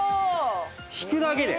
引くだけで。